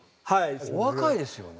お若いですよね。